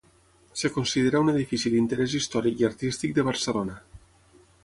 Es considera un edifici d'interès històric i artístic de Barcelona.